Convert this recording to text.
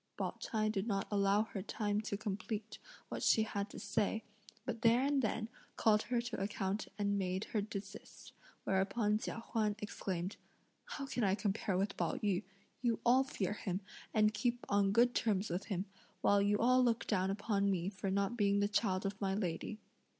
Pao ch'ai did not allow her time to complete what she had to say, but there and then called her to account and made her desist; whereupon Chia Huan exclaimed: "How can I compare with Pao yü; you all fear him, and keep on good terms with him, while you all look down upon me for not being the child of my lady."